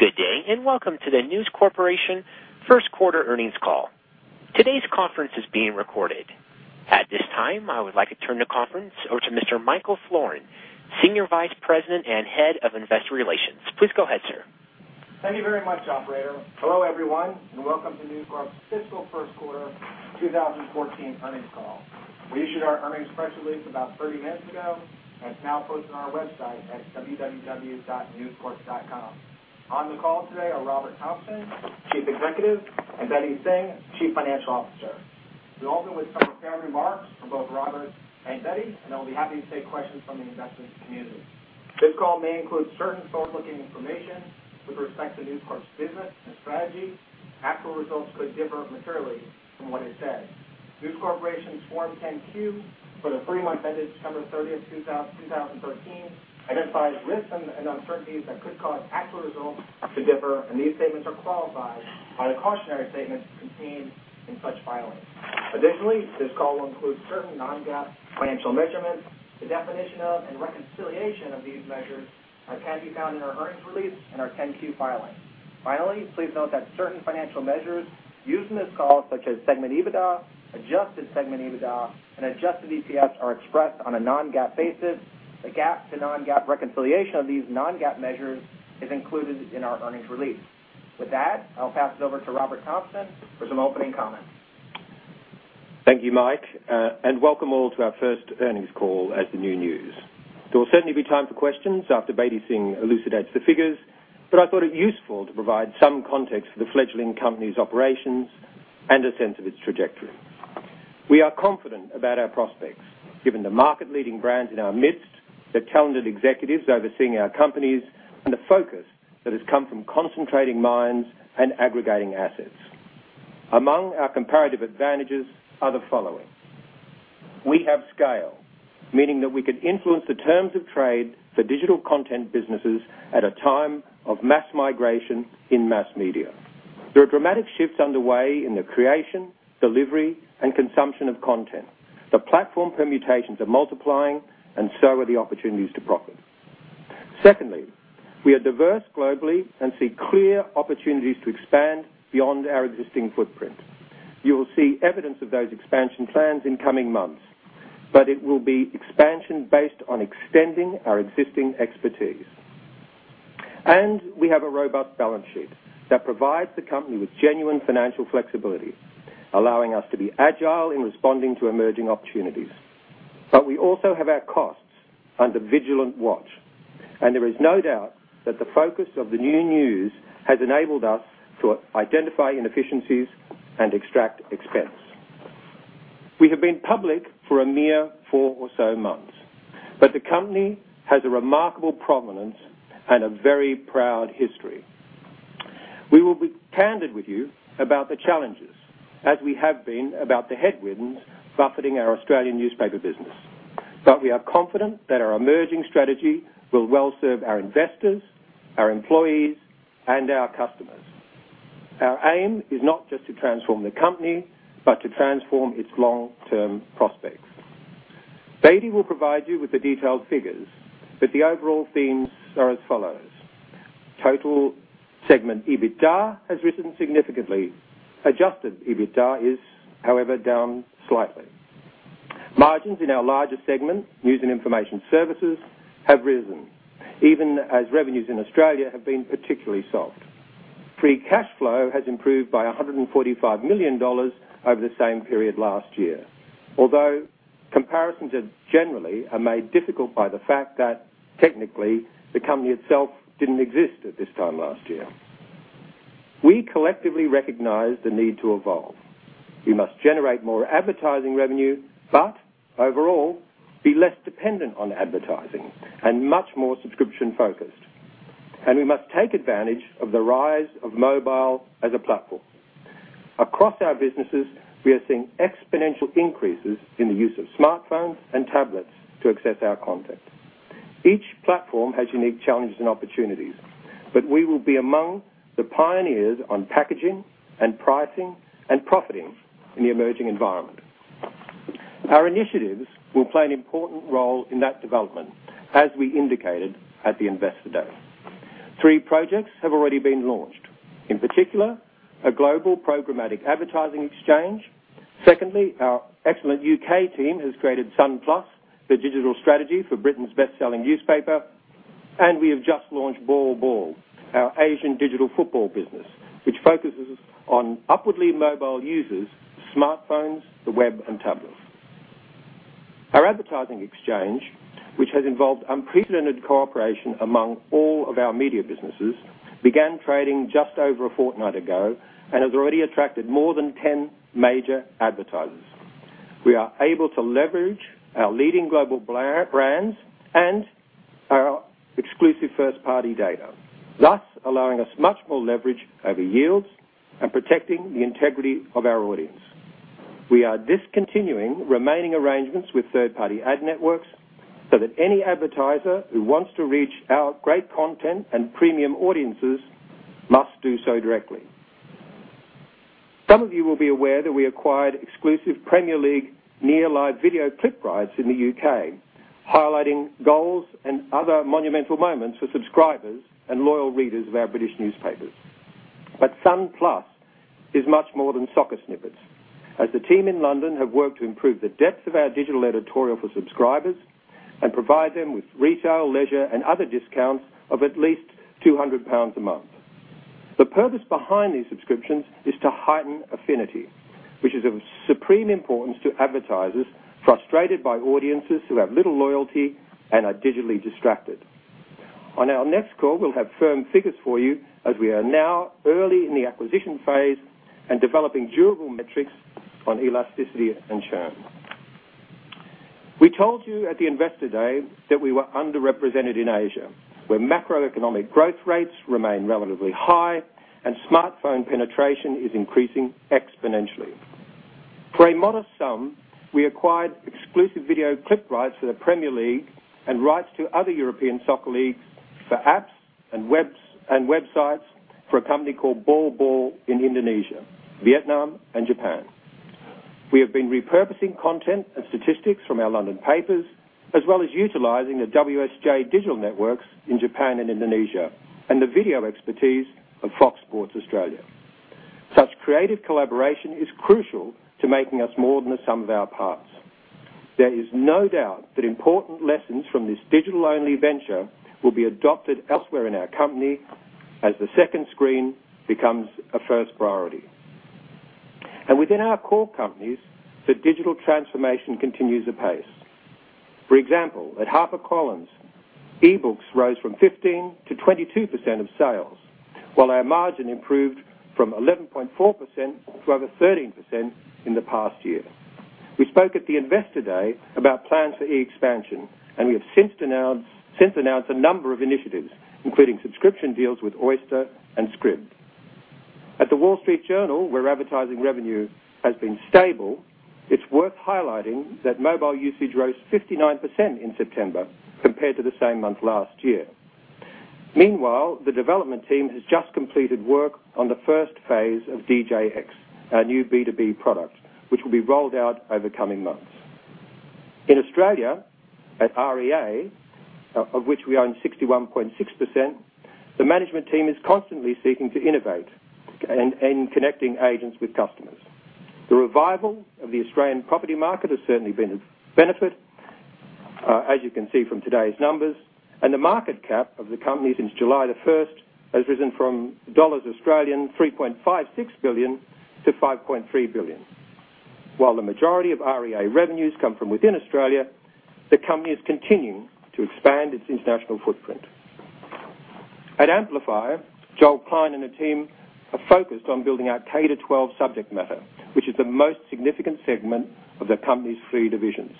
Good day, welcome to the News Corporation first quarter earnings call. Today's conference is being recorded. At this time, I would like to turn the conference over to Mr. Michael Florin, Senior Vice President and Head of Investor Relations. Please go ahead, sir. Thank you very much, operator. Hello, everyone, welcome to News Corp's fiscal first quarter 2014 earnings call. We issued our earnings press release about 30 minutes ago, and it's now posted on our website at www.newscorp.com. On the call today are Robert Thomson, Chief Executive, and Bedi Singh, Chief Financial Officer. We'll open with some prepared remarks from both Robert and Bedi, then we'll be happy to take questions from the investment community. This call may include certain forward-looking information with respect to News Corp's business and strategy. Actual results could differ materially from what is said. News Corporation's Form 10-Q for the three months ended September 30th, 2013 identifies risks and uncertainties that could cause actual results to differ, and these statements are qualified by the cautionary statements contained in such filings. Additionally, this call will include certain non-GAAP financial measurements. The definition of and reconciliation of these measures can be found in our earnings release and our 10-Q filing. Finally, please note that certain financial measures used in this call, such as segment EBITDA, adjusted segment EBITDA, and adjusted EPS, are expressed on a non-GAAP basis. The GAAP to non-GAAP reconciliation of these non-GAAP measures is included in our earnings release. With that, I'll pass it over to Robert Thomson for some opening comments. Thank you, Mike, welcome all to our first earnings call as the new News. There will certainly be time for questions after Bedi Singh elucidates the figures, I thought it useful to provide some context for the fledgling company's operations and a sense of its trajectory. We are confident about our prospects, given the market-leading brands in our midst, the talented executives overseeing our companies, and the focus that has come from concentrating minds and aggregating assets. Among our comparative advantages are the following. We have scale, meaning that we can influence the terms of trade for digital content businesses at a time of mass migration in mass media. There are dramatic shifts underway in the creation, delivery, and consumption of content. The platform permutations are multiplying, so are the opportunities to profit. Secondly, we are diverse globally and see clear opportunities to expand beyond our existing footprint. You will see evidence of those expansion plans in coming months, but it will be expansion based on extending our existing expertise. We have a robust balance sheet that provides the company with genuine financial flexibility, allowing us to be agile in responding to emerging opportunities. We also have our costs under vigilant watch, and there is no doubt that the focus of the new News has enabled us to identify inefficiencies and extract expense. We have been public for a mere four or so months, but the company has a remarkable prominence and a very proud history. We will be candid with you about the challenges, as we have been about the headwinds buffeting our Australian newspaper business. We are confident that our emerging strategy will well serve our investors, our employees, and our customers. Our aim is not just to transform the company, but to transform its long-term prospects. Bedi will provide you with the detailed figures, but the overall themes are as follows. Total segment EBITDA has risen significantly. Adjusted EBITDA is, however, down slightly. Margins in our largest segment, News and Information Services, have risen, even as revenues in Australia have been particularly soft. Free cash flow has improved by $145 million over the same period last year. Although comparisons are generally made difficult by the fact that technically the company itself didn't exist at this time last year. We collectively recognize the need to evolve. We must generate more advertising revenue, but overall, be less dependent on advertising and much more subscription-focused. We must take advantage of the rise of mobile as a platform. Across our businesses, we are seeing exponential increases in the use of smartphones and tablets to access our content. Each platform has unique challenges and opportunities, but we will be among the pioneers on packaging and pricing and profiting in the emerging environment. Our initiatives will play an important role in that development, as we indicated at the Investor Day. Three projects have already been launched. In particular, a global programmatic advertising exchange. Secondly, our excellent U.K. team has created Sun+, the digital strategy for Britain's best-selling newspaper. We have just launched BallBall, our Asian digital football business, which focuses on upwardly mobile users, smartphones, the web, and tablets. Our advertising exchange, which has involved unprecedented cooperation among all of our media businesses, began trading just over a fortnight ago and has already attracted more than 10 major advertisers. We are able to leverage our leading global brands and our exclusive first-party data, thus allowing us much more leverage over yields and protecting the integrity of our audience. We are discontinuing remaining arrangements with third-party ad networks so that any advertiser who wants to reach our great content and premium audiences must do so directly. Some of you will be aware that we acquired exclusive Premier League near live video clip rights in the U.K., highlighting goals and other monumental moments for subscribers and loyal readers of our British newspapers. Sun+ is much more than soccer snippets. As the team in London have worked to improve the depth of our digital editorial for subscribers and provide them with retail, leisure, and other discounts of at least 200 pounds a month. The purpose behind these subscriptions is to heighten affinity, which is of supreme importance to advertisers frustrated by audiences who have little loyalty and are digitally distracted. On our next call, we'll have firm figures for you as we are now early in the acquisition phase and developing durable metrics on elasticity and churn. We told you at the Investor Day that we were underrepresented in Asia, where macroeconomic growth rates remain relatively high, and smartphone penetration is increasing exponentially. For a modest sum, we acquired exclusive video clip rights to the Premier League and rights to other European soccer leagues for apps and websites for a company called BallBall in Indonesia, Vietnam, and Japan. We have been repurposing content and statistics from our London papers, as well as utilizing the WSJ digital networks in Japan and Indonesia and the video expertise of Fox Sports Australia. Such creative collaboration is crucial to making us more than the sum of our parts. There is no doubt that important lessons from this digital-only venture will be adopted elsewhere in our company as the second screen becomes a first priority. Within our core companies, the digital transformation continues apace. For example, at HarperCollins, e-books rose from 15% to 22% of sales, while our margin improved from 11.4% to over 13% in the past year. We spoke at the Investor Day about plans for e-expansion. We have since announced a number of initiatives, including subscription deals with Oyster and Scribd. At The Wall Street Journal, where advertising revenue has been stable, it's worth highlighting that mobile usage rose 59% in September compared to the same month last year. Meanwhile, the development team has just completed work on the first phase of DJX, our new B2B product, which will be rolled out over coming months. In Australia, at REA, of which we own 61.6%, the management team is constantly seeking to innovate and connecting agents with customers. The revival of the Australian property market has certainly been a benefit, as you can see from today's numbers. The market cap of the company since July the 1st has risen from 3.56 billion-5.3 billion dollars. While the majority of REA revenues come from within Australia, the company is continuing to expand its international footprint. At Amplify, Joel Klein and the team are focused on building our K to 12 subject matter, which is the most significant segment of the company's three divisions.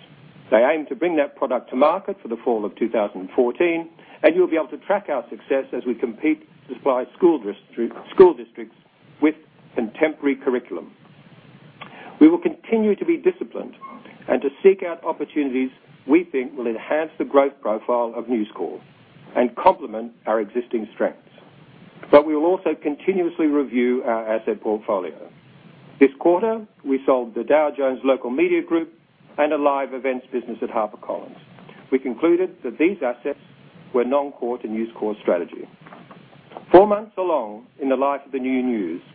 They aim to bring that product to market for the fall of 2014. You'll be able to track our success as we compete to supply school districts with contemporary curriculum. We will continue to be disciplined and to seek out opportunities we think will enhance the growth profile of News Corp and complement our existing strengths. We will also continuously review our asset portfolio. This quarter, we sold the Dow Jones Local Media Group and a live events business at HarperCollins. We concluded that these assets were non-core to News Corp's strategy. Four months along in the life of the new News Corp,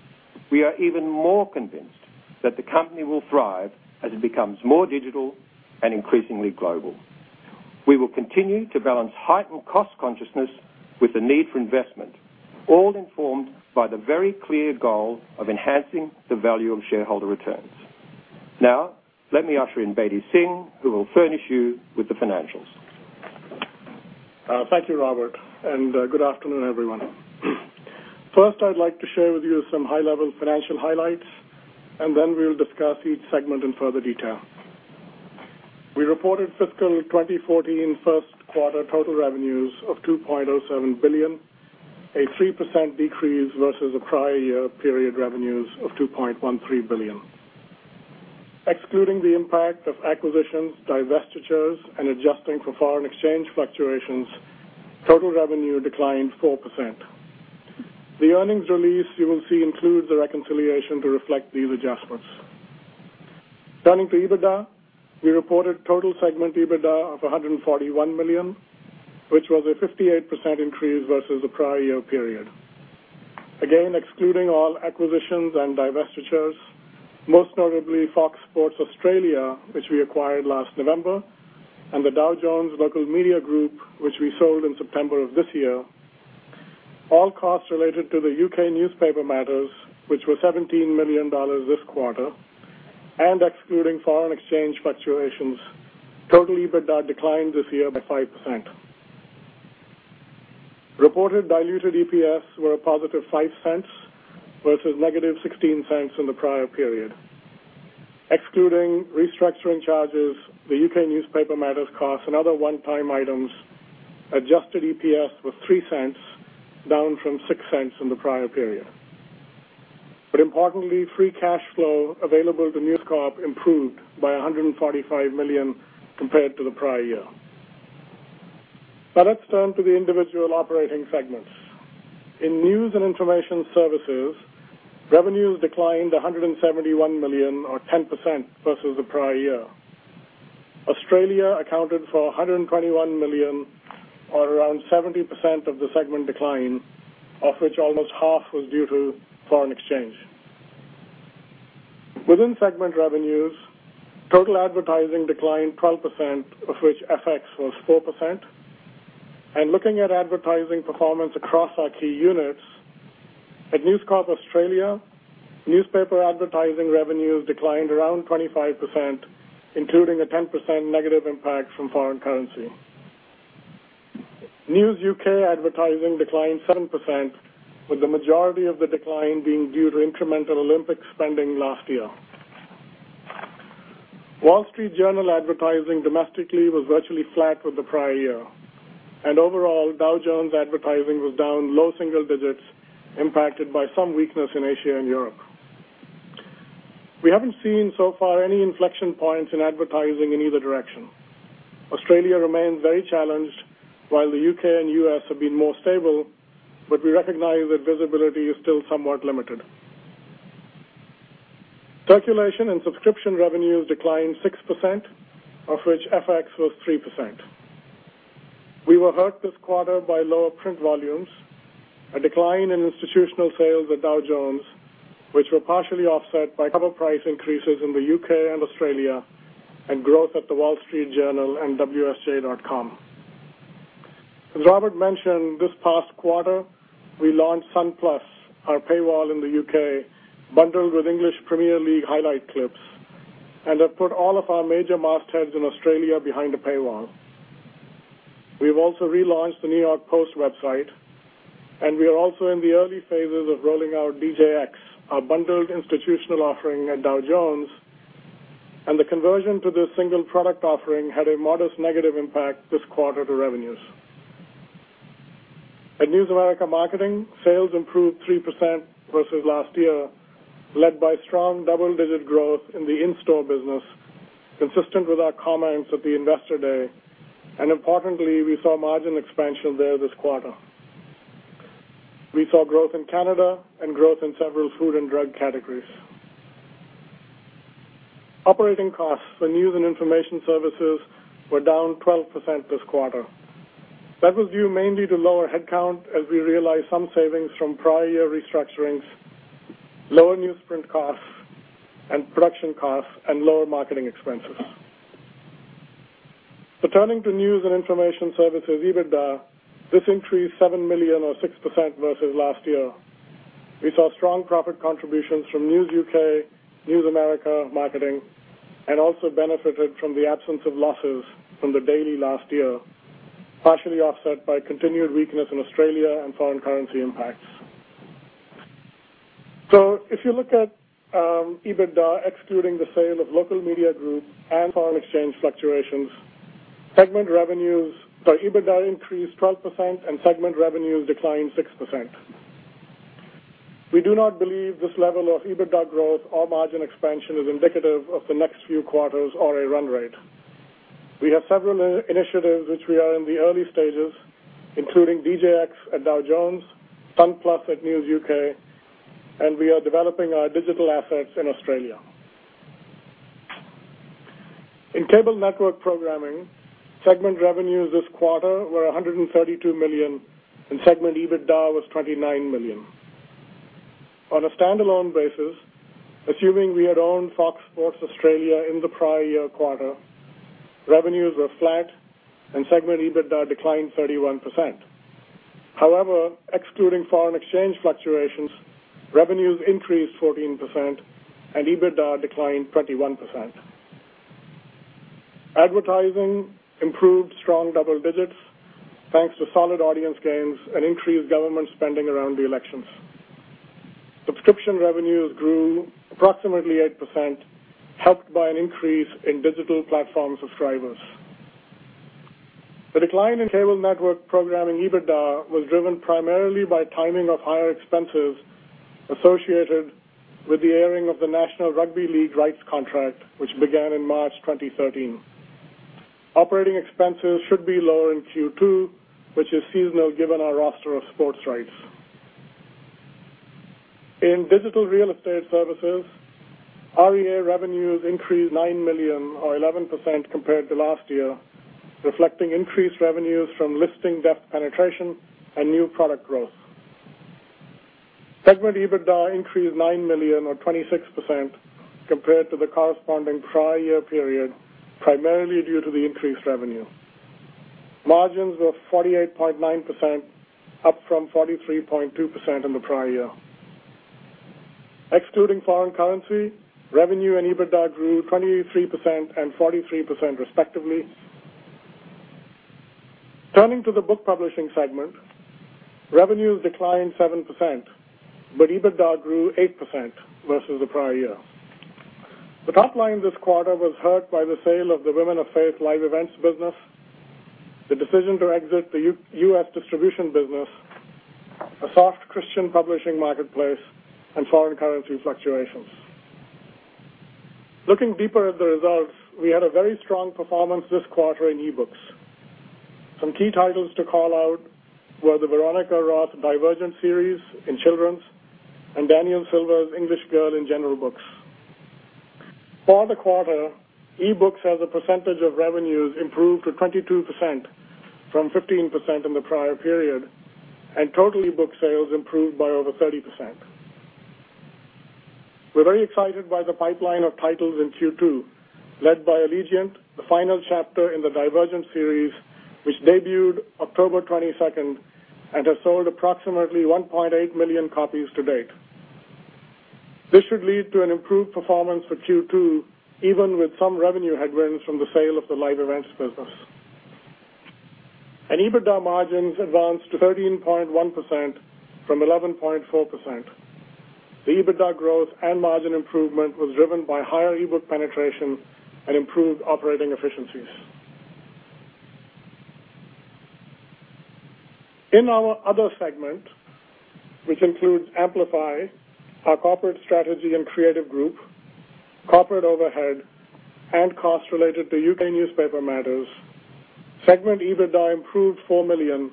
we are even more convinced that the company will thrive as it becomes more digital and increasingly global. We will continue to balance heightened cost consciousness with the need for investment, all informed by the very clear goal of enhancing the value of shareholder returns. Let me usher in Bedi Singh, who will furnish you with the financials. Thank you, Robert, and good afternoon, everyone. I'd like to share with you some high-level financial highlights. We'll discuss each segment in further detail. We reported fiscal 2014 first quarter total revenues of $2.07 billion, a 3% decrease versus the prior year period revenues of $2.13 billion. Excluding the impact of acquisitions, divestitures, and adjusting for foreign exchange fluctuations, total revenue declined 4%. The earnings release you will see includes a reconciliation to reflect these adjustments. Turning to EBITDA, we reported total segment EBITDA of $141 million, which was a 58% increase versus the prior year period. Excluding all acquisitions and divestitures, most notably Fox Sports Australia, which we acquired last November, and the Dow Jones Local Media Group, which we sold in September of this year. All costs related to the U.K. newspaper matters, which were $17 million this quarter, and excluding foreign exchange fluctuations, total EBITDA declined this year by 5%. Reported diluted EPS were a positive $0.05 versus negative $0.16 in the prior period. Excluding restructuring charges, the U.K. newspaper matters cost and other one-time items, adjusted EPS was $0.03, down from $0.06 in the prior period. Importantly, free cash flow available to News Corp improved by $145 million compared to the prior year. Let's turn to the individual operating segments. In news and information services, revenues declined to $171 million or 10% versus the prior year. Australia accounted for $121 million, or around 70% of the segment decline, of which almost half was due to foreign exchange. Within segment revenues, total advertising declined 12%, of which FX was 4%. Looking at advertising performance across our key units, at News Corp Australia, newspaper advertising revenues declined around 25%, including a 10% negative impact from foreign currency. News U.K. advertising declined 7%, with the majority of the decline being due to incremental Olympic spending last year. Wall Street Journal advertising domestically was virtually flat with the prior year. Overall, Dow Jones advertising was down low single digits, impacted by some weakness in Asia and Europe. We haven't seen so far any inflection points in advertising in either direction. Australia remains very challenged, while the U.K. and U.S. have been more stable. We recognize that visibility is still somewhat limited. Circulation and subscription revenues declined 6%, of which FX was 3%. We were hurt this quarter by lower print volumes, a decline in institutional sales at Dow Jones, which were partially offset by cover price increases in the U.K. and Australia, and growth at The Wall Street Journal and wsj.com. As Robert mentioned, this past quarter, we launched Sun+ our paywall in the U.K., bundled with English Premier League highlight clips, and have put all of our major mastheads in Australia behind a paywall. We've also relaunched the New York Post website, and we are also in the early phases of rolling out DJX, our bundled institutional offering at Dow Jones, and the conversion to this single product offering had a modest negative impact this quarter to revenues. At News America Marketing, sales improved 3% versus last year, led by strong double-digit growth in the in-store business, consistent with our comments at the investor day. Importantly, we saw margin expansion there this quarter. We saw growth in Canada and growth in several food and drug categories. Operating costs for news and information services were down 12% this quarter. That was due mainly to lower headcount as we realized some savings from prior year restructurings, lower newsprint costs and production costs, and lower marketing expenses. Turning to news and information services EBITDA, this increased $7 million or 6% versus last year. We saw strong profit contributions from News U.K., News America Marketing, and also benefited from the absence of losses from The Daily last year, partially offset by continued weakness in Australia and foreign currency impacts. If you look at EBITDA excluding the sale of Local Media Group and foreign exchange fluctuations, EBITDA increased 12% and segment revenues declined 6%. We do not believe this level of EBITDA growth or margin expansion is indicative of the next few quarters or a run rate. We have several initiatives which we are in the early stages, including DJX at Dow Jones, Sun+ at News U.K., and we are developing our digital assets in Australia. In cable network programming, segment revenues this quarter were $132 million and segment EBITDA was $29 million. On a standalone basis, assuming we had owned Fox Sports Australia in the prior year quarter, revenues were flat and segment EBITDA declined 31%. However, excluding foreign exchange fluctuations, revenues increased 14% and EBITDA declined 21%. Advertising improved strong double digits thanks to solid audience gains and increased government spending around the elections. Subscription revenues grew approximately 8%, helped by an increase in digital platform subscribers. The decline in cable network programming EBITDA was driven primarily by timing of higher expenses associated with the airing of the National Rugby League rights contract, which began in March 2013. Operating expenses should be lower in Q2, which is seasonal given our roster of sports rights. In digital real estate services, REA revenues increased $9 million or 11% compared to last year, reflecting increased revenues from listing depth penetration and new product growth. Segment EBITDA increased $9 million or 26% compared to the corresponding prior year period, primarily due to the increased revenue. Margins were 48.9%, up from 43.2% in the prior year. Excluding foreign currency, revenue and EBITDA grew 23% and 43% respectively. Turning to the book publishing segment, revenues declined 7%. EBITDA grew 8% versus the prior year. The top line this quarter was hurt by the sale of the Women of Faith live events business, the decision to exit the U.S. distribution business, a soft Christian publishing marketplace, and foreign currency fluctuations. Looking deeper at the results, we had a very strong performance this quarter in eBooks. Some key titles to call out were Veronica Roth's Divergent series in children's and Daniel Silva's English Girl in general books. For the quarter, eBooks as a percentage of revenues improved to 22% from 15% in the prior period, and total eBook sales improved by over 30%. We are very excited by the pipeline of titles in Q2, led by Allegiant, the final chapter in the Divergent series, which debuted October 22nd and has sold approximately 1.8 million copies to date. This should lead to an improved performance for Q2, even with some revenue headwinds from the sale of the Live Events business. EBITDA margins advanced to 13.1% from 11.4%. The EBITDA growth and margin improvement was driven by higher eBook penetration and improved operating efficiencies. In our other segment, which includes Amplify, our corporate strategy and creative group, corporate overhead, and costs related to U.K. newspaper matters, segment EBITDA improved $4 million,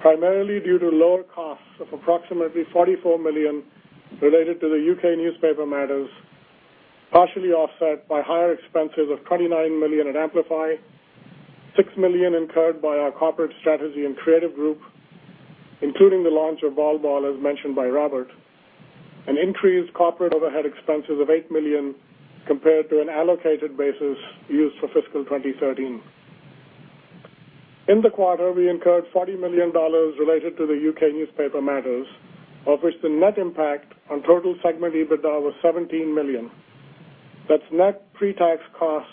primarily due to lower costs of approximately $44 million related to the U.K. newspaper matters, partially offset by higher expenses of $29 million in Amplify, $6 million incurred by our corporate strategy and creative group, including the launch of BallBall, as mentioned by Robert. Increased corporate overhead expenses of $8 million compared to an allocated basis used for fiscal 2013. In the quarter, we incurred $40 million related to the U.K. newspaper matters, of which the net impact on total segment EBITDA was $17 million. That's net pre-tax costs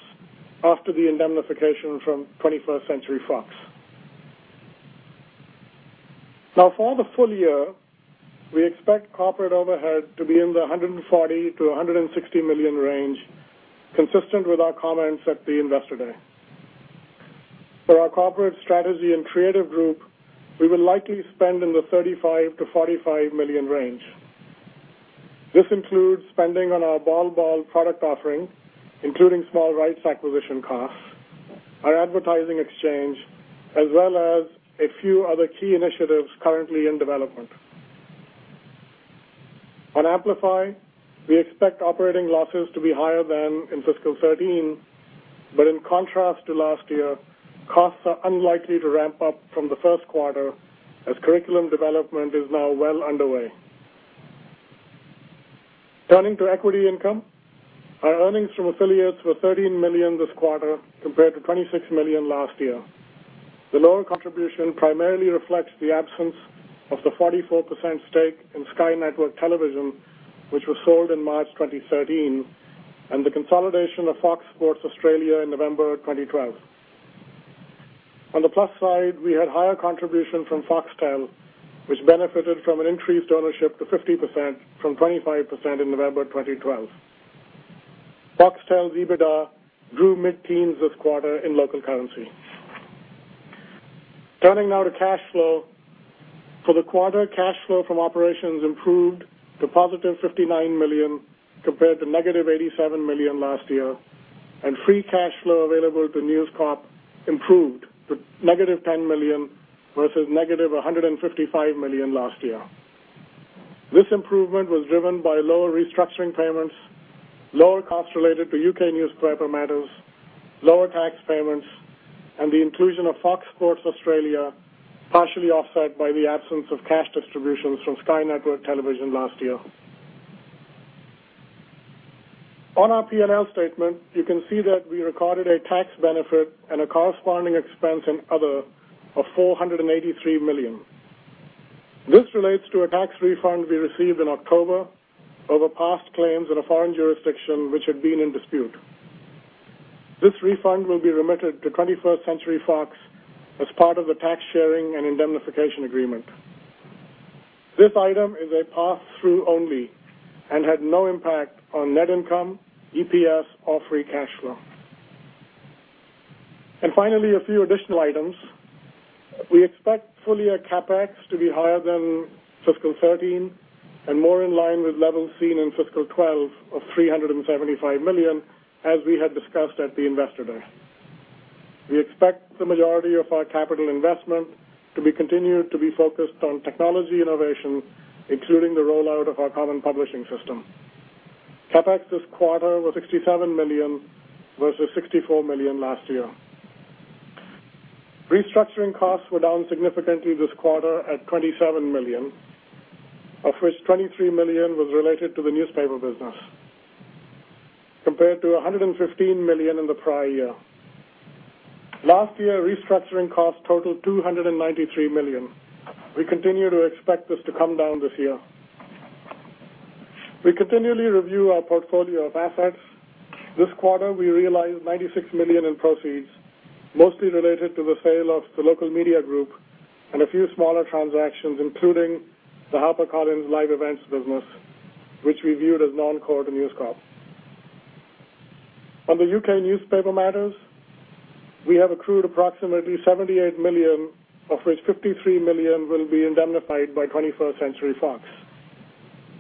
after the indemnification from 21st Century Fox. For the full year, we expect corporate overhead to be in the $140 million-$160 million range, consistent with our comments at the Investor Day. For our corporate strategy and creative group, we will likely spend in the $35 million-$45 million range. This includes spending on our BallBall product offering, including small rights acquisition costs, our advertising exchange, as well as a few other key initiatives currently in development. On Amplify, we expect operating losses to be higher than in fiscal 2013, but in contrast to last year, costs are unlikely to ramp up from the first quarter as curriculum development is now well underway. Turning to equity income, our earnings from affiliates were $13 million this quarter compared to $26 million last year. The lower contribution primarily reflects the absence of the 44% stake in Sky Network Television, which was sold in March 2013, and the consolidation of Fox Sports Australia in November 2012. On the plus side, we had higher contribution from Foxtel, which benefited from an increased ownership to 50% from 25% in November 2012. Foxtel's EBITDA grew mid-teens this quarter in local currency. Turning to cash flow. For the quarter, cash flow from operations improved to positive $59 million compared to negative $87 million last year, and free cash flow available to News Corp improved to negative $10 million versus negative $155 million last year. This improvement was driven by lower restructuring payments, lower costs related to U.K. newspaper matters, lower tax payments, and the inclusion of Fox Sports Australia, partially offset by the absence of cash distributions from Sky Network Television last year. On our P&L statement, you can see that we recorded a tax benefit and a corresponding expense in other of $483 million. This relates to a tax refund we received in October over past claims in a foreign jurisdiction which had been in dispute. This refund will be remitted to 21st Century Fox as part of the tax sharing and indemnification agreement. This item is a pass-through only and had no impact on net income, EPS, or free cash flow. Finally, a few additional items. We expect full-year CapEx to be higher than fiscal 2013 and more in line with levels seen in fiscal 2012 of $375 million, as we had discussed at the Investor Day. We expect the majority of our capital investment to continue to be focused on technology innovation, including the rollout of our common publishing system. CapEx this quarter was $67 million versus $64 million last year. Restructuring costs were down significantly this quarter at $27 million, of which $23 million was related to the newspaper business, compared to $115 million in the prior year. Last year, restructuring costs totaled $293 million. We continue to expect this to come down this year. We continually review our portfolio of assets. This quarter, we realized $96 million in proceeds, mostly related to the sale of the Local Media Group and a few smaller transactions, including the HarperCollins Live Events business, which we viewed as non-core to News Corp. On the U.K. newspaper matters, we have accrued approximately $78 million, of which $53 million will be indemnified by 21st Century Fox.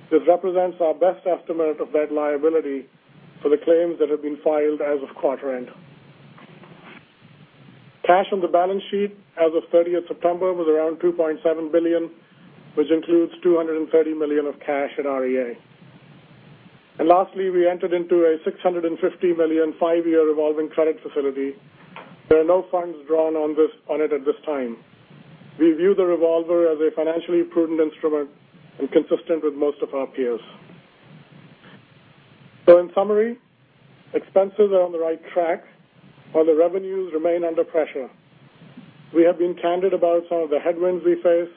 This represents our best estimate of that liability for the claims that have been filed as of quarter end. Cash on the balance sheet as of 30th September was around $2.7 billion, which includes 230 million of cash at REA. Lastly, we entered into a $650 million, five-year revolving credit facility. There are no funds drawn on it at this time. We view the revolver as a financially prudent instrument and consistent with most of our peers. In summary, expenses are on the right track while the revenues remain under pressure. We have been candid about some of the headwinds we face,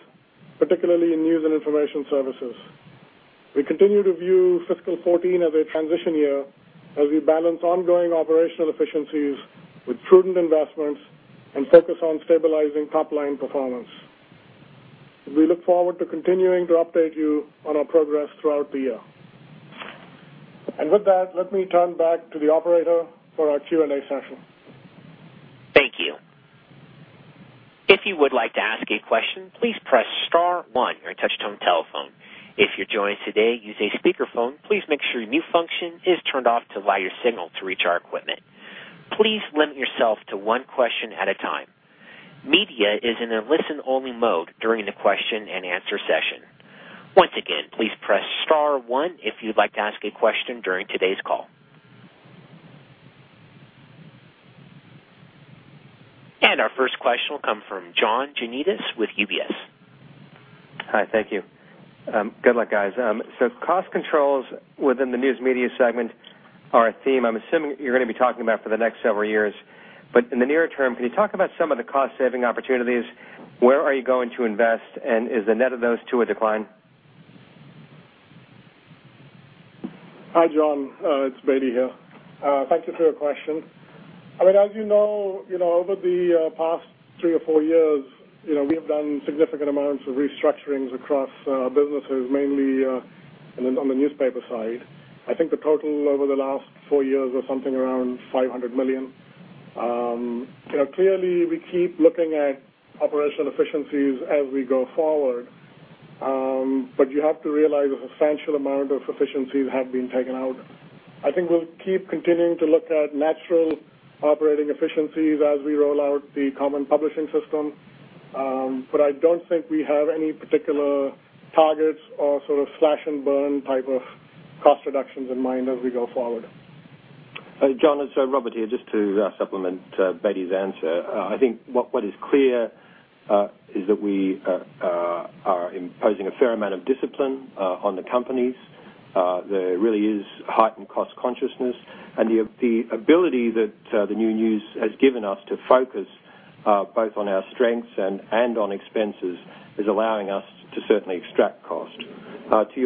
particularly in news and information services. We continue to view fiscal 2014 as a transition year as we balance ongoing operational efficiencies with prudent investments and focus on stabilizing top-line performance. We look forward to continuing to update you on our progress throughout the year. With that, let me turn back to the operator for our Q&A session. Thank you. If you would like to ask a question, please press star one on your touch-tone telephone. If you're joined today using speakerphone, please make sure your mute function is turned off to allow your signal to reach our equipment. Please limit yourself to one question at a time. Media is in a listen-only mode during the question-and-answer session. Once again, please press star one if you'd like to ask a question during today's call. Our first question will come from John Janedis with UBS. Hi, thank you. Good luck, guys. Cost controls within the news media segment are a theme I'm assuming you're going to be talking about for the next several years. In the near term, can you talk about some of the cost-saving opportunities? Where are you going to invest, and is the net of those to a decline? Hi, John. It's Bedi here. Thank you for your question. As you know, over the past three or four years, we have done significant amounts of restructurings across our businesses, mainly on the newspaper side. I think the total over the last four years was something around $500 million. Clearly, we keep looking at operational efficiencies as we go forward. You have to realize a substantial amount of efficiencies have been taken out. I think we'll keep continuing to look at natural operating efficiencies as we roll out the common publishing system. I don't think we have any particular targets or sort of slash and burn type of cost reductions in mind as we go forward. John, it's Robert here. Just to supplement Bedi's answer, I think what is clear is that we are imposing a fair amount of discipline on the companies. There really is heightened cost consciousness. The ability that the new news has given us to focus both on our strengths and on expenses is allowing us to certainly extract cost. To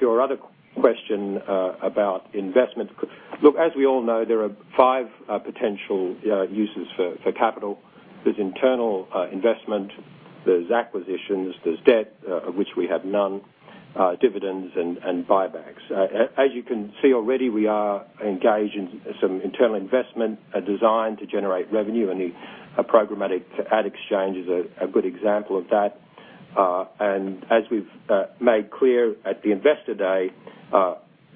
your other question about investments, look, as we all know, there are five potential uses for capital. There's internal investment, there's acquisitions, there's debt, of which we have none, dividends, and buybacks. As you can see already, we are engaged in some internal investment designed to generate revenue, and the programmatic ad exchange is a good example of that. As we've made clear at the investor day,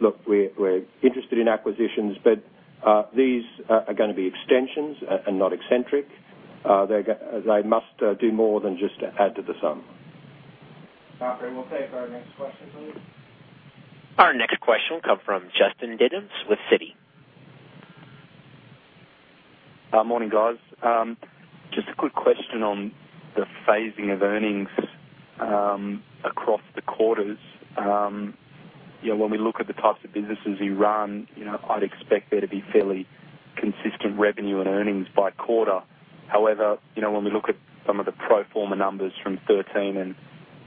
look, we're interested in acquisitions, but these are going to be extensions and not eccentric. They must do more than just add to the sum. Operator, we'll take our next question, please. Our next question will come from Justin Diddams with Citi. Morning, guys. Just a quick question on the phasing of earnings across the quarters. When we look at the types of businesses you run, I'd expect there to be fairly consistent revenue and earnings by quarter. However, when we look at some of the pro forma numbers from 2013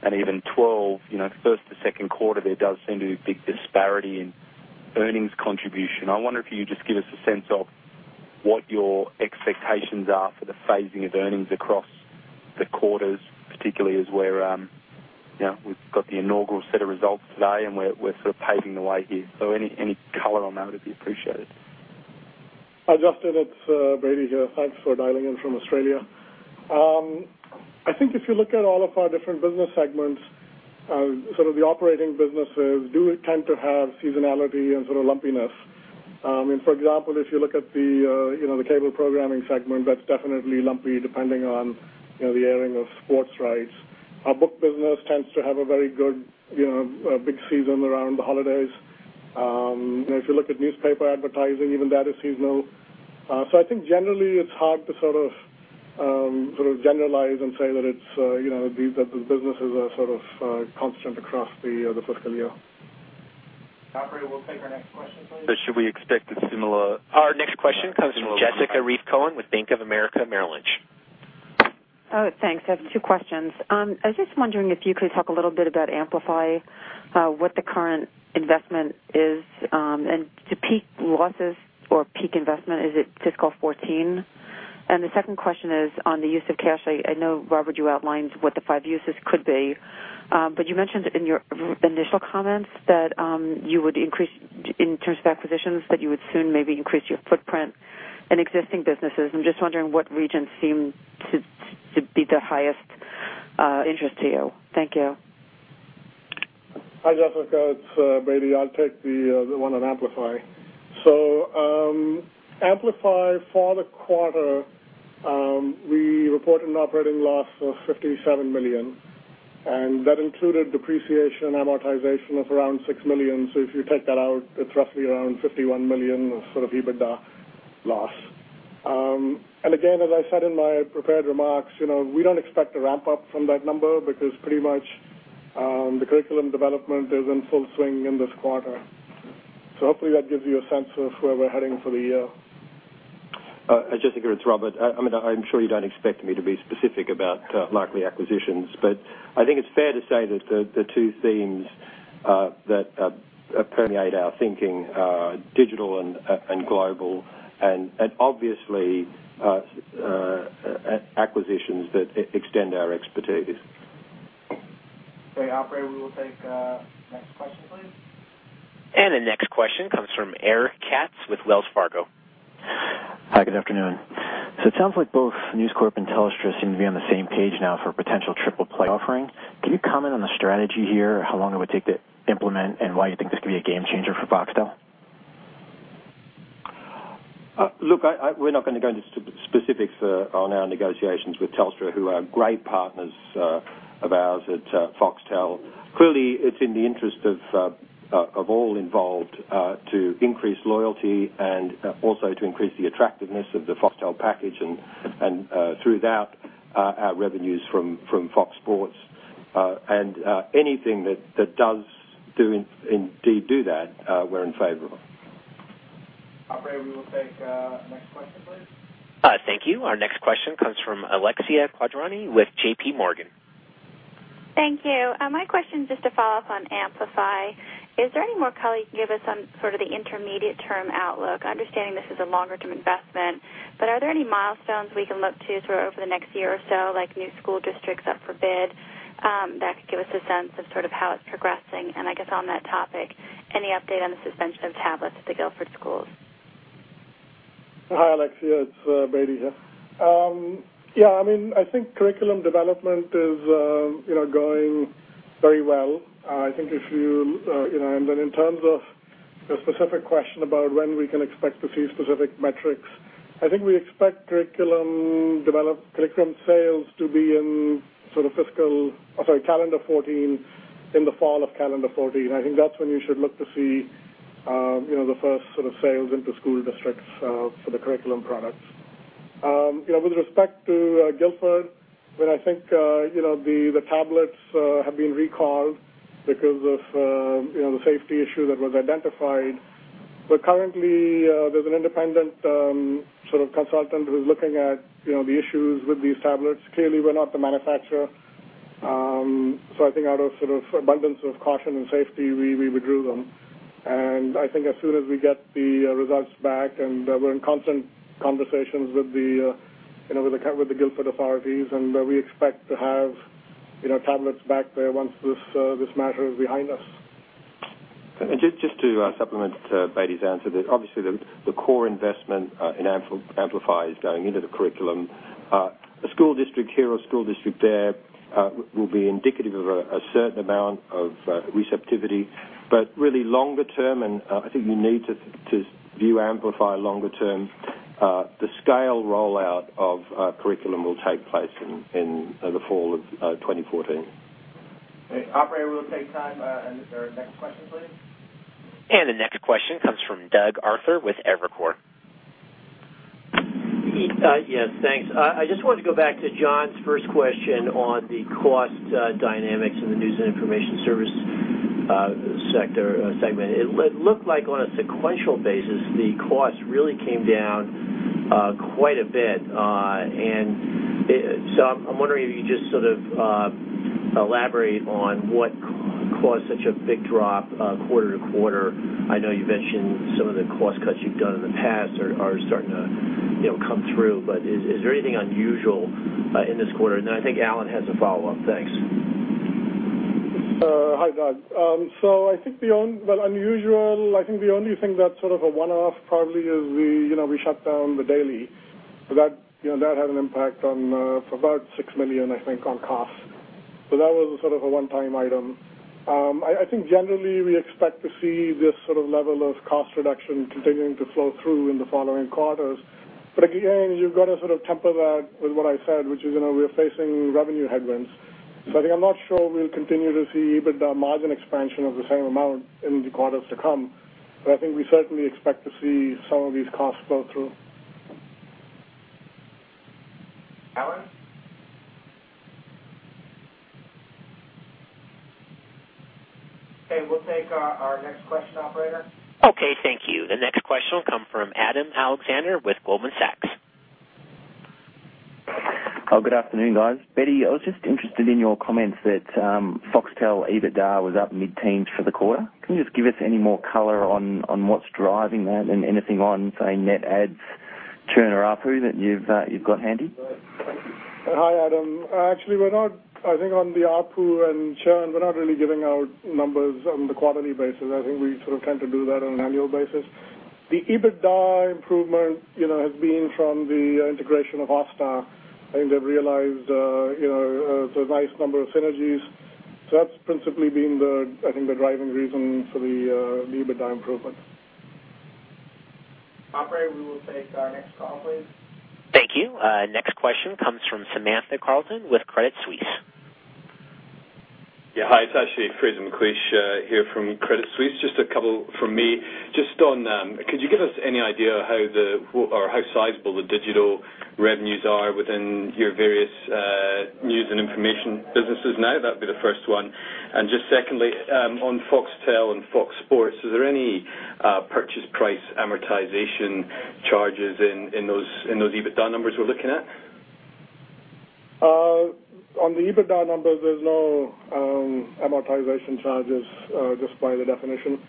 and even 2012, first to second quarter, there does seem to be a big disparity in earnings contribution. I wonder if you could just give us a sense of what your expectations are for the phasing of earnings across the quarters, particularly as we've got the inaugural set of results today and we're sort of paving the way here. Any color on that would be appreciated. Hi, Justin. It's Bedi here. Thanks for dialing in from Australia. I think if you look at all of our different business segments, sort of the operating businesses do tend to have seasonality and sort of lumpiness. For example, if you look at the cable programming segment, that's definitely lumpy depending on the airing of sports rights. Our book business tends to have a very good, big season around the holidays. If you look at newspaper advertising, even that is seasonal. I think generally it's hard to sort of generalize and say that the businesses are sort of constant across the fiscal year. Operator, we'll take our next question, please. Should we expect a similar. Our next question comes from Jessica Reif Cohen with Bank of America Merrill Lynch. Thanks. I have two questions. I was just wondering if you could talk a little bit about Amplify, what the current investment is, and the peak losses or peak investment, is it fiscal 2014? The second question is on the use of cash. I know, Robert, you outlined what the five uses could be. You mentioned in your initial comments that in terms of acquisitions, that you would soon maybe increase your footprint in existing businesses. I am just wondering what regions seem to be the highest interest to you. Thank you. Hi, Jessica. It's Bedi. I'll take the one on Amplify. Amplify for the quarter, we reported an operating loss of $57 million, and that included depreciation and amortization of around $6 million. If you take that out, it's roughly around $51 million of EBITDA loss. Again, as I said in my prepared remarks, we don't expect to ramp up from that number because pretty much, the curriculum development is in full swing in this quarter. Hopefully that gives you a sense of where we're heading for the year. Jessica, it's Robert. I'm sure you don't expect me to be specific about likely acquisitions, but I think it's fair to say that the two themes that permeate our thinking are digital and global and obviously, acquisitions that extend our expertise. Okay, operator, we will take next question, please. The next question comes from Eric Katz with Wells Fargo. Hi, good afternoon. It sounds like both News Corp and Telstra seem to be on the same page now for a potential triple play offering. Can you comment on the strategy here, how long it would take to implement, and why you think this could be a game changer for Foxtel? Look, we're not going to go into specifics on our negotiations with Telstra, who are great partners of ours at Foxtel. Clearly, it's in the interest of all involved to increase loyalty and also to increase the attractiveness of the Foxtel package and through that, our revenues from Fox Sports. Anything that does indeed do that, we're in favor of. Operator, we will take next question, please. Thank you. Our next question comes from Alexia Quadrani with JP Morgan. Thank you. My question is just to follow up on Amplify. Is there any more color you can give us on sort of the intermediate-term outlook? Understanding this is a longer-term investment, but are there any milestones we can look to over the next year or so, like new school districts up for bid, that could give us a sense of how it's progressing? I guess on that topic, any update on the suspension of tablets at the Guilford schools? Hi, Alexia. It's Bedi here. I think curriculum development is going very well. In terms of the specific question about when we can expect to see specific metrics, I think we expect curriculum sales to be in calendar 2014, in the fall of calendar 2014. I think that's when you should look to see the first sales into school districts for the curriculum products. With respect to Guilford, I think the tablets have been recalled because of the safety issue that was identified. Currently, there's an independent consultant who's looking at the issues with these tablets. Clearly, we're not the manufacturer, so I think out of abundance of caution and safety, we withdrew them. I think as soon as we get the results back, and we're in constant conversations with the Guilford authorities, and we expect to have tablets back there once this matter is behind us. Just to supplement Bedi's answer, obviously the core investment in Amplify is going into the curriculum. A school district here or a school district there will be indicative of a certain amount of receptivity, but really longer term, and I think we need to view Amplify longer term, the scale rollout of curriculum will take place in the fall of 2014. Okay. Operator, we will take time and our next question, please. The next question comes from Doug Arthur with Evercore. Yes, thanks. I just wanted to go back to John's first question on the cost dynamics in the news and information service segment. It looked like on a sequential basis, the cost really came down quite a bit. I'm wondering if you just sort of elaborate on what caused such a big drop quarter to quarter. I know you mentioned some of the cost cuts you've done in the past are starting to come through, but is there anything unusual in this quarter? I think Alan has a follow-up. Thanks. Hi, Doug. I think the unusual, I think the only thing that's sort of a one-off probably is we shut down The Daily. That had an impact on about $6 million, I think, on cost. That was a sort of a one-time item. I think generally, we expect to see this sort of level of cost reduction continuing to flow through in the following quarters. Again, you've got to sort of temper that with what I said, which is we're facing revenue headwinds. I'm not sure we'll continue to see EBITDA margin expansion of the same amount in the quarters to come. I think we certainly expect to see some of these costs flow through. Alan? Okay, we'll take our next question, operator. Okay, thank you. The next question will come from Adam Alexander with Goldman Sachs. Good afternoon, guys. Bedi, I was just interested in your comments that Foxtel EBITDA was up mid-teens for the quarter. Can you just give us any more color on what's driving that and anything on, say, net adds churn or ARPU that you've got handy? Hi, Adam. Actually, I think on the ARPU and churn, we're not really giving out numbers on the quarterly basis. I think we sort of tend to do that on an annual basis. The EBITDA improvement has been from the integration of Austar, and they've realized a nice number of synergies. That's principally been, I think, the driving reason for the EBITDA improvement. Operator, we will take our next call, please. Thank you. Next question comes from Samantha Carleton with Credit Suisse. Yeah. Hi, it's actually Frederick McLeish here from Credit Suisse. Just a couple from me. Could you give us any idea how sizable the digital revenues are within your various news and information businesses now? That'd be the first one. Just secondly, on Foxtel and Fox Sports, is there any purchase price amortization charges in those EBITDA numbers we're looking at? On the EBITDA numbers, there's no amortization charges, just by the definition.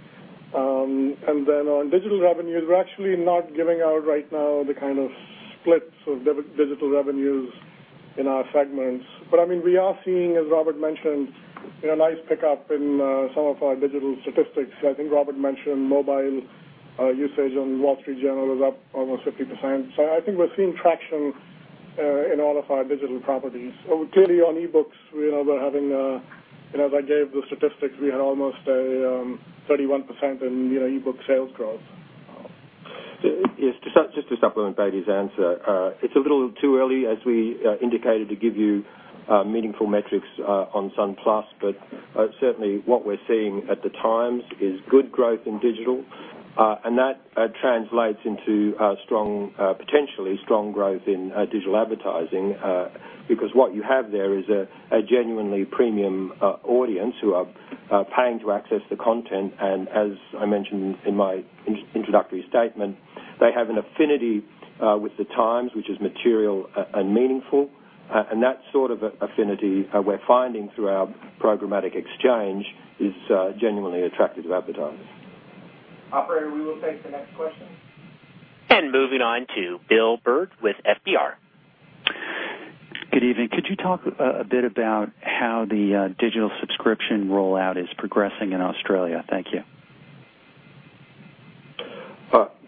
On digital revenues, we're actually not giving out right now the kind of splits of digital revenues in our segments. We are seeing, as Robert mentioned, a nice pickup in some of our digital statistics. I think Robert mentioned mobile usage on Wall Street Journal is up almost 50%. I think we're seeing traction in all of our digital properties. Clearly on e-books, as I gave the statistics, we had almost a 31% in e-book sales growth. Yes. Just to supplement Bedi's answer. It's a little too early, as we indicated, to give you meaningful metrics on Sun+. Certainly what we're seeing at The Times is good growth in digital, and that translates into potentially strong growth in digital advertising. Because what you have there is a genuinely premium audience who are paying to access the content, and as I mentioned in my introductory statement, they have an affinity with The Times, which is material and meaningful. That sort of affinity we're finding through our programmatic exchange is genuinely attractive to advertisers. Operator, we will take the next question. Moving on to William Bird with FBR. Good evening. Could you talk a bit about how the digital subscription rollout is progressing in Australia? Thank you.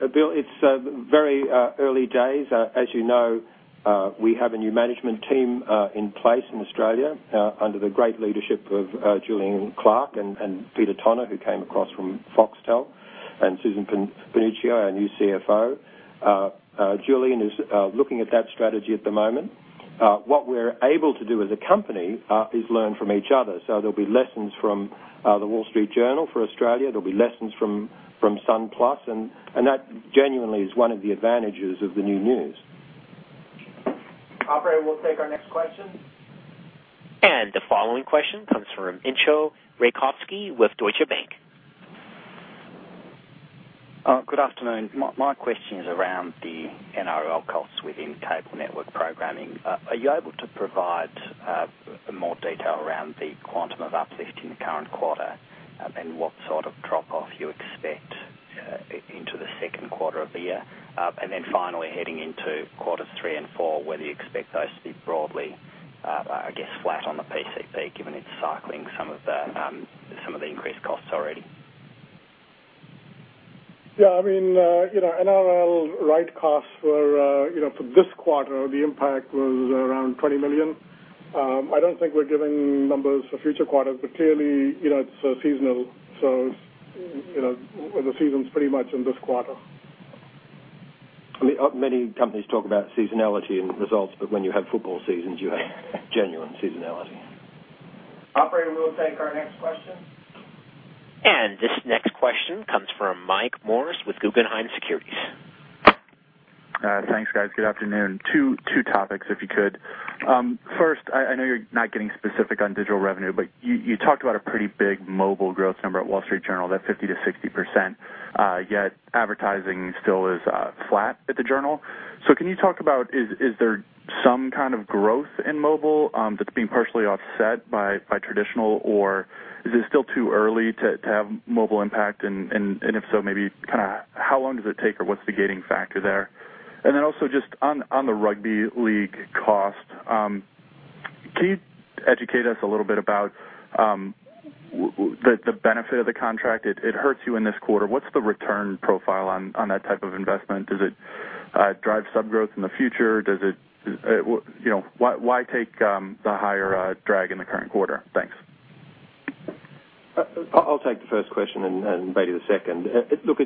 Bill, it's very early days. As you know, we have a new management team in place in Australia under the great leadership of Julian Clarke and Peter Tonagh, who came across from Foxtel, and Susan Panuccio, our new CFO. Julian is looking at that strategy at the moment. What we're able to do as a company is learn from each other. There'll be lessons from The Wall Street Journal for Australia, there'll be lessons from Sun+, that genuinely is one of the advantages of the new news. Operator, we'll take our next question. The following question comes from Entcho Raykovski with Deutsche Bank. Good afternoon. My question is around the NRL costs within cable network programming. Are you able to provide more detail around the quantum of uplift in the current quarter, and what sort of drop-off you expect into the second quarter of the year? Finally heading into quarters three and four, whether you expect those to be broadly, I guess, flat on the PCP, given it's cycling some of the increased costs already. Yeah. NRL right costs for this quarter, the impact was around $20 million. I don't think we're giving numbers for future quarters, clearly, it's seasonal. The season's pretty much in this quarter. Many companies talk about seasonality in results, when you have football seasons, you have genuine seasonality. Operator, we'll take our next question. This next question comes from Michael Morris with Guggenheim Securities. Thanks, guys. Good afternoon. Two topics, if you could. First, I know you're not getting specific on digital revenue, but you talked about a pretty big mobile growth number at Wall Street Journal, that 50%-60%, yet advertising still is flat at the Journal. Can you talk about, is there some kind of growth in mobile that's being partially offset by traditional, or is it still too early to have mobile impact? If so, maybe how long does it take, or what's the gating factor there? Also just on the Rugby League cost, can you educate us a little bit about the benefit of the contract? It hurts you in this quarter. What's the return profile on that type of investment? Does it drive sub growth in the future? Why take the higher drag in the current quarter? Thanks. I'll take the first question and Bedi the second. Look,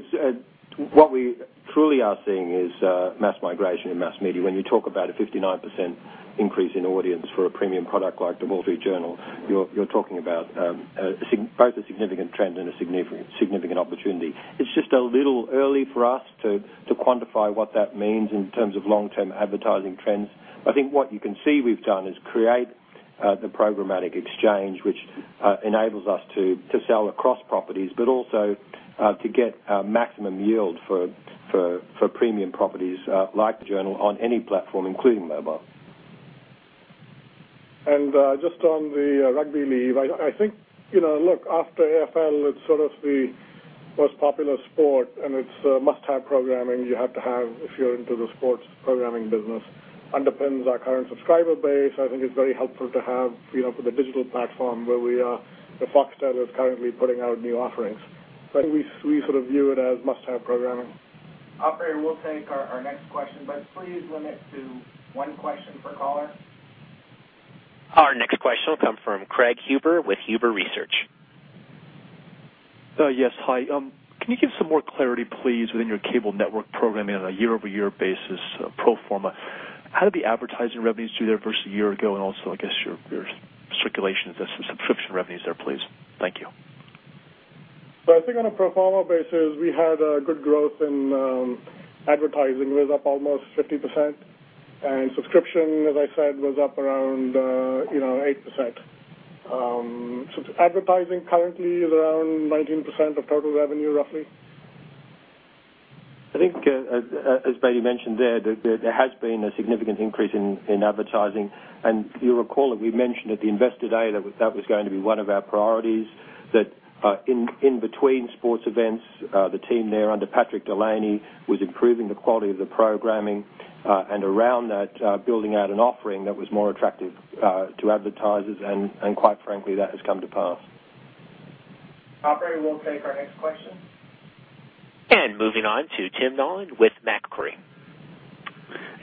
what we truly are seeing is mass migration in mass media. When you talk about a 59% increase in audience for a premium product like The Wall Street Journal, you're talking about both a significant trend and a significant opportunity. It's just a little early for us to quantify what that means in terms of long-term advertising trends. I think what you can see we've done is create the programmatic exchange, which enables us to sell across properties, but also to get maximum yield for premium properties like Journal on any platform, including mobile. Just on the Rugby League, I think, look, after AFL, it's sort of the most popular sport, and it's a must-have programming you have to have if you're into the sports programming business. Underpins our current subscriber base. I think it's very helpful to have for the digital platform where Foxtel is currently putting out new offerings. We sort of view it as must-have programming. Operator, we'll take our next question, please limit to one question per caller. Our next question will come from Craig Huber with Huber Research. Yes, hi. Can you give some more clarity, please, within your cable network programming on a year-over-year basis pro forma? How did the advertising revenues do there versus a year ago, also, I guess your circulation, the subscription revenues there, please. Thank you. I think on a pro forma basis, we had a good growth in advertising. It was up almost 50%, subscription, as I said, was up around 8%. Advertising currently is around 19% of total revenue, roughly. I think, as Bedi mentioned there, that there has been a significant increase in advertising. You'll recall that we mentioned at the Investor Day that was going to be one of our priorities, that in between sports events, the team there under Patrick Delany was improving the quality of the programming, and around that, building out an offering that was more attractive to advertisers, and quite frankly, that has come to pass. Operator, we'll take our next question. Moving on to Tim Nollen with Macquarie.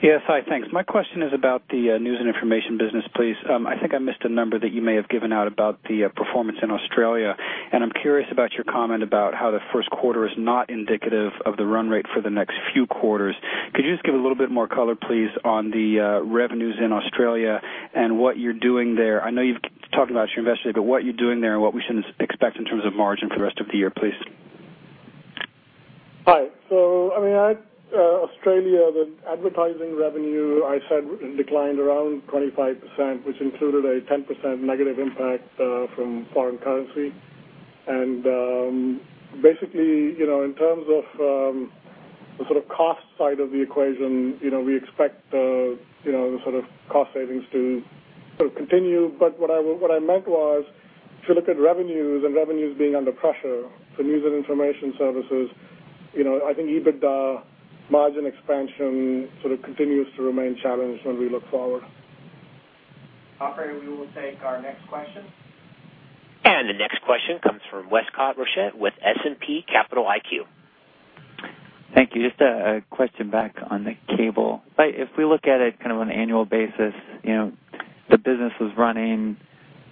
Yes. Hi, thanks. My question is about the news and information business, please. I think I missed a number that you may have given out about the performance in Australia, and I'm curious about your comment about how the first quarter is not indicative of the run rate for the next few quarters. Could you just give a little bit more color, please, on the revenues in Australia and what you're doing there? I know you've talked about your investment, but what you're doing there and what we should expect in terms of margin for the rest of the year, please. Hi. Australia, the advertising revenue, I said declined around 25%, which included a 10% negative impact from foreign currency. Basically, in terms of the sort of cost side of the equation, we expect the sort of cost savings to sort of continue. What I meant was if you look at revenues and revenues being under pressure for news and information services, I think EBITDA margin expansion sort of continues to remain challenged when we look forward. Operator, we will take our next question. The next question comes from Tuna Amobi with S&P Capital IQ. Thank you. Just a question back on the cable. If we look at it kind of on an annual basis, the business was running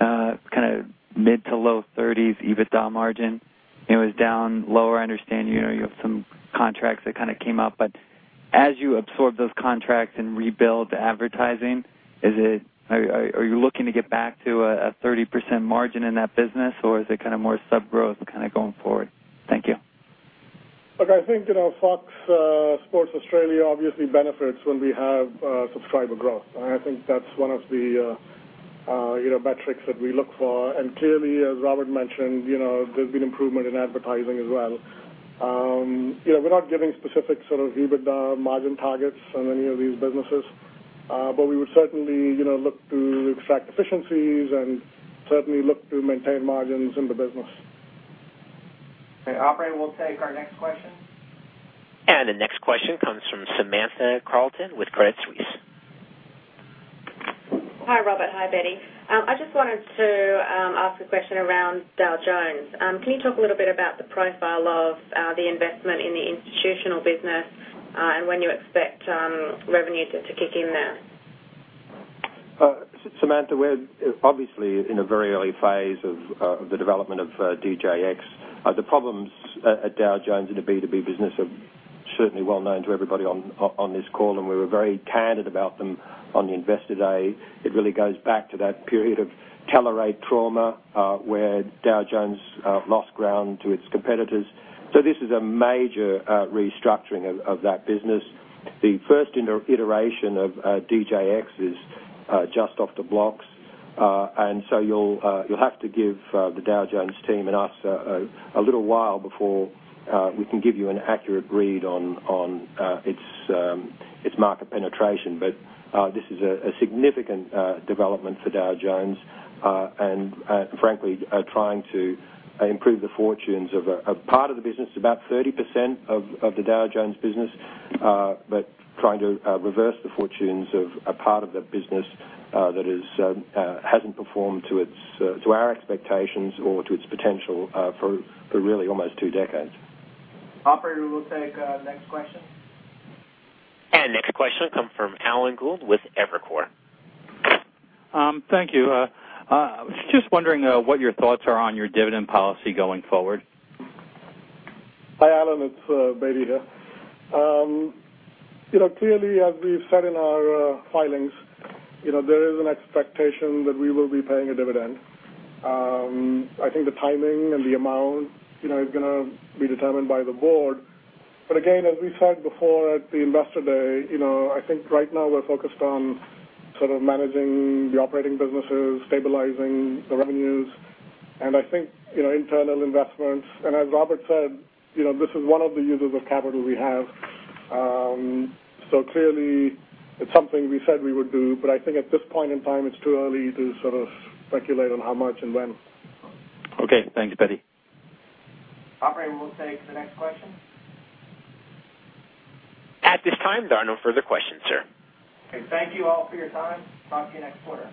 kind of mid to low 30s EBITDA margin. It was down lower. I understand you have some contracts that kind of came up. As you absorb those contracts and rebuild advertising, are you looking to get back to a 30% margin in that business, or is it kind of more sub-growth kind of going forward? Thank you. Look, I think, Fox Sports Australia obviously benefits when we have subscriber growth, and I think that's one of the metrics that we look for. Clearly, as Robert mentioned, there's been improvement in advertising as well. We're not giving specific sort of EBITDA margin targets on any of these businesses, but we would certainly look to extract efficiencies and certainly look to maintain margins in the business. Okay, operator, we'll take our next question. The next question comes from Samantha Carlton with Credit Suisse. Hi, Robert. Hi, Bedi. I just wanted to ask a question around Dow Jones. Can you talk a little bit about the profile of the investment in the institutional business and when you expect revenues to kick in there? Samantha, we're obviously in a very early phase of the development of DJX. The problems at Dow Jones in the B2B business are certainly well-known to everybody on this call, and we were very candid about them on the Investor Day. It really goes back to that period of Telerate trauma where Dow Jones lost ground to its competitors. This is a major restructuring of that business. The first iteration of DJX is just off the blocks. You'll have to give the Dow Jones team and us a little while before we can give you an accurate read on its market penetration. This is a significant development for Dow Jones and frankly, trying to improve the fortunes of part of the business, about 30% of the Dow Jones business, but trying to reverse the fortunes of a part of the business that hasn't performed to our expectations or to its potential for really almost two decades. Operator, we will take next question. Next question comes from Alan Gould with Evercore. Thank you. Just wondering what your thoughts are on your dividend policy going forward. Hi, Alan. It's Bedi here. Clearly, as we've said in our filings, there is an expectation that we will be paying a dividend. I think the timing and the amount is going to be determined by the board. Again, as we said before at the Investor Day, I think right now we're focused on sort of managing the operating businesses, stabilizing the revenues, and I think internal investments. As Robert said, this is one of the uses of capital we have. Clearly, it's something we said we would do, but I think at this point in time, it's too early to sort of speculate on how much and when. Okay. Thanks, Bedi. Operator, we'll take the next question. At this time, there are no further questions, sir. Okay. Thank you all for your time. Talk to you next quarter.